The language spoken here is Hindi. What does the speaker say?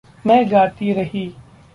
मैं गाती रही।